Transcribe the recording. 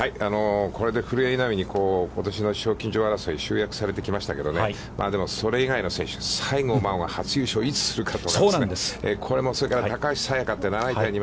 これで古江、稲見にことしの賞金女王争い、集約されてきましたけど、でも、それ以外の選手西郷真央は初優勝をいつするかと。